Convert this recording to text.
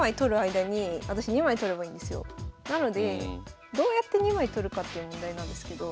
なのでどうやって２枚取るかっていう問題なんですけど。